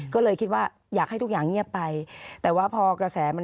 ขอบคุณครับ